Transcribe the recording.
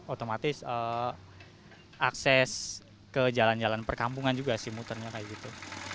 otomatis akses ke jalan jalan perkampungan juga sih muternya kayak gitu